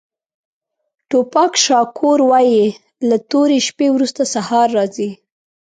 ټوپاک شاکور وایي له تورې شپې وروسته سهار راځي.